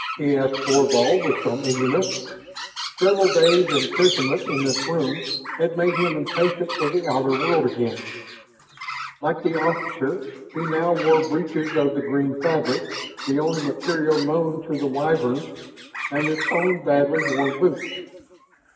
he asked Thorvald with some eagerness. Several days' imprisonment in this room had made him impatient for the outer world again. Like the officer, he now wore breeches of the green fabric, the only material known to the Wyverns, and his own badly worn boots.